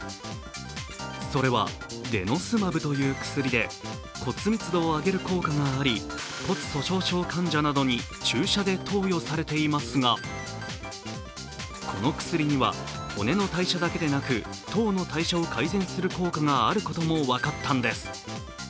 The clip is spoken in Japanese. それはデノスマブという薬で骨密度を上げる効果があり、骨粗しょう症患者などに注射で投与されていますが、この薬には、骨の代謝だけでなく糖の代謝を改善する効果があることも分かったんです。